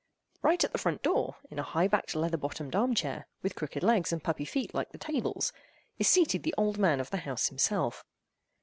Right at the front door, in a high backed leather bottomed armed chair, with crooked legs and puppy feet like the tables, is seated the old man of the house himself.